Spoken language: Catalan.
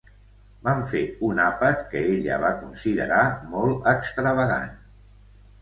Van fer un àpat que ella va considerar molt extravagant.